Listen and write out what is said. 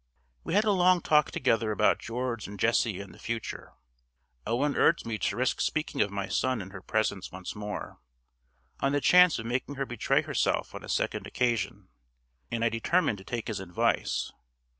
We had a long talk together about George and Jessie and the future. Owen urged me to risk speaking of my son in her presence once more, on the chance of making her betray herself on a second occasion, and I determined to take his advice.